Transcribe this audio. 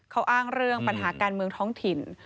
เขาอ้างเรื่องปัญหาการเมืองท้องถิ่น